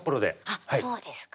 あっそうですか。